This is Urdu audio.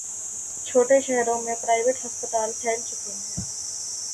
چھوٹے شہروں میں پرائیویٹ ہسپتال پھیل چکے ہیں۔